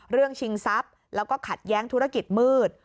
ชิงทรัพย์แล้วก็ขัดแย้งธุรกิจมืด